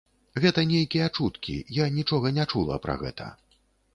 Гэта нейкія чуткі, я нічога не чула пра гэта.